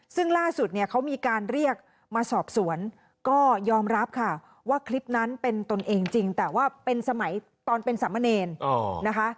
ซึ่งล่าสุดเนี่ยเขามีการเรียกมาสอบสวนก็ยอมรับค่ะว่าคลิปนั้นเป็นตนเองจริงแต่ว่าเป็นสมัยตอนเป็นสามเณรนะคะ